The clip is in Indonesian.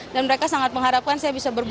dan mereka sangat mengharapkan saya bisa berbunyi